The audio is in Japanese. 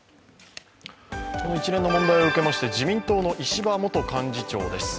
この一連の問題を受けまして自民党の石破元幹事長です。